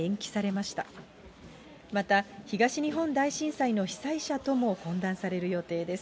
また東日本大震災の被災者とも懇談される予定です。